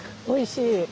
おいしい！